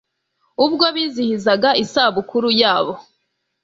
ubwo bizihizaga isabukuru yabo